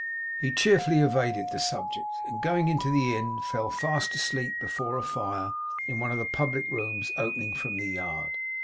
He cheerfully evaded the subject, and going into the Inn, fell fast asleep before a fire in one of the public rooms opening from the yard.